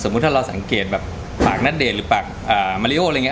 ถ้าเราสังเกตแบบปากณเดชน์หรือปากมาริโออะไรอย่างนี้